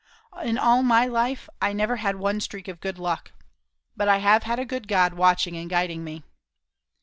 In all my life I never had one streak of good luck. But I have had a good God watching and guiding me.